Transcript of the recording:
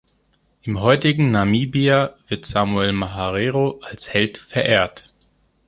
Im heutigen Namibia wird Samuel Maharero als Held verehrt.